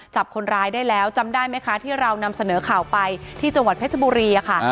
จับคนร้ายได้แล้วจำได้ไหมคะที่เรานำเสนอข่าวไปที่จังหวัดเพชรบุรีค่ะ